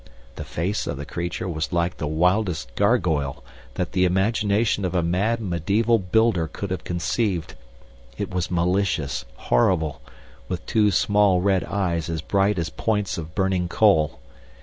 The face of the creature was like the wildest gargoyle that the imagination of a mad medieval builder could have conceived. It was malicious, horrible, with two small red eyes as bright as points of burning coal.